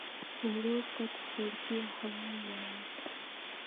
ورور ته د زړګي احوال وایې.